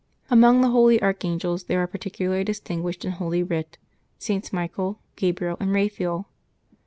Among the holy archangels, there are particularly distinguished in Holy Writ Sts. Michael, Gabriel, and Eaphael.